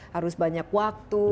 harus banyak waktu